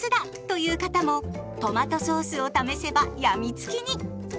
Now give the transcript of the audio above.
という方もトマトソースを試せば病みつきに！